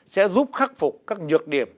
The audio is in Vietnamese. sẽ giúp khắc phục các nhược điểm